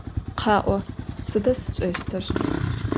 Kha'o, sıda sş'eştır?